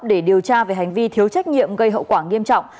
để điều tra về hành vi thiếu trách nhiệm gây hậu quả nghiêm trọng